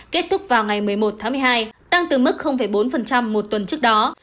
kết thúc vào ngày một mươi một tháng một mươi hai tăng từ mức bốn một tuần trước đó